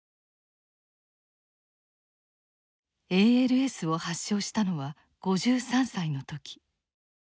ＡＬＳを発症したのは５３歳の時。